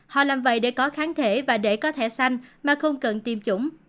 họ làm vậy để có kháng thể và để có thể xanh mà không cần tiêm chủng